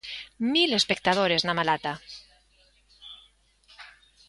Mil espectadores na Malata.